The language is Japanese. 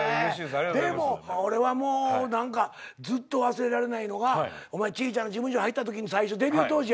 でも俺はもうずっと忘れられないのがちいちゃな事務所入ったときに最初デビュー当時や。